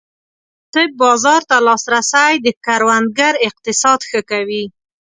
مناسب بازار ته لاسرسی د کروندګر اقتصاد ښه کوي.